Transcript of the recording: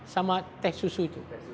sama teh susu itu